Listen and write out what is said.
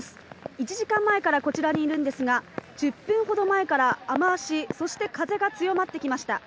１時間前からこちらにいるんですが、１０分ほど前から雨足、そして風が強まってきました。